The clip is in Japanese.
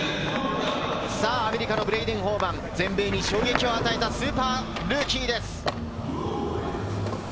アメリカのブレイデン・ホーバン、全米に衝撃を与えたスーパールーキーです。